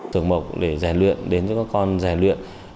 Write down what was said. sưởng mộc để giải luyện đến cho các con giải luyện